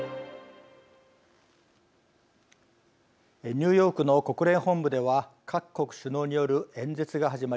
ニューヨークの国連本部では各国首脳による演説が始まり